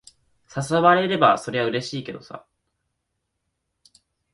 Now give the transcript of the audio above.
誘われれば、そりゃうれしいけどさ。